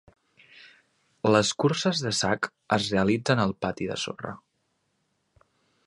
Les curses de sac es realitzen al pati de sorra.